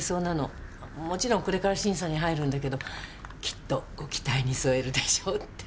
もちろんこれから審査に入るんだけどきっとご期待に添えるでしょうって。